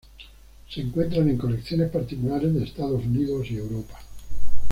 Se encuentran en colecciones particulares de Estados Unidos y Europa.